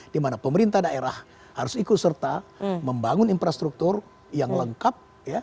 di mana pemerintah daerah harus ikut serta membangun infrastruktur yang lengkap